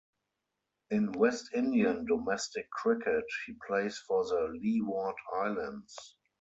In West Indian domestic cricket he plays for the Leeward Islands.